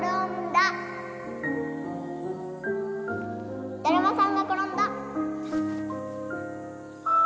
だるまさんがころんだ！